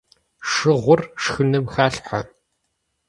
Шыгъур шхыным халъхьэ.